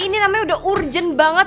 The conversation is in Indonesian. ini namanya udah urgent banget